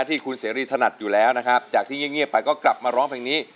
ที่คุณเสรีถนัดอยู่แล้วนะครับจากที่เงียบไปก็กลับมาร้องเพลงนี้